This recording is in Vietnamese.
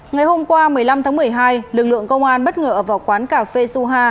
ngày hôm qua một mươi năm tháng một mươi hai lực lượng công an bất ngờ vào quán cà phê suha